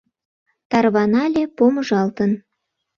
Тарванале помыжалтын.